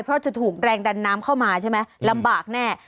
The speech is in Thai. เพราะจะถูกแรงดันน้ำเข้ามาใช่ไหมลำบากแน่